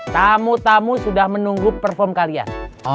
tamu tamu sudah menunggu perform kalian